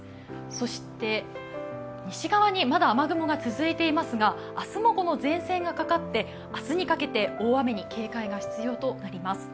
そして西側にまだ雨雲が続いていますが、明日も前線がかかって、明日にかけて大雨に警戒が必要となります。